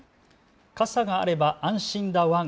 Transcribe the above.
傘があれば安心だワン。